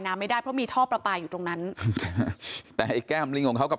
ไม่ได้เพราะมีท่อประปาอยู่ตรงนั้นแต่ไอ้แก้มลิงของเขากับ